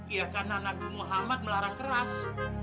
ya karena nabi muhammad melarang keras